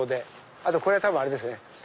あとこれは多分あれですね。